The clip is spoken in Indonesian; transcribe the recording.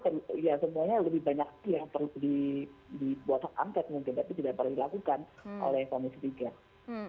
tapi tidak pernah dilakukan oleh komisi tiga